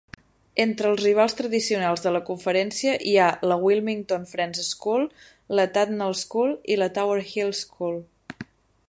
Entre els rivals tradicionals de la conferència hi ha la Wilmington Friends School, la Tatnall School i la Tower Hill School.